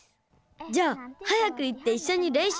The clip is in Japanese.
じゃあ早く行っていっしょにれんしゅうしない？